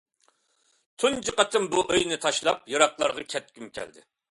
تۇنجى قېتىم بۇ ئۆينى تاشلاپ يىراقلارغا كەتكۈم كەلدى.